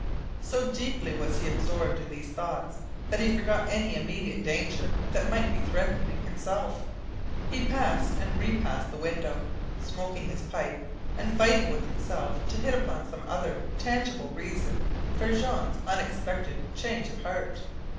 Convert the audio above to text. So deeply was he absorbed in these thoughts that he forgot any immediate danger that might be threatening himself. He passed and repassed the window, smoking his pipe, and fighting with himself to hit upon some other tangible reason for Jean's unexpected change of heart.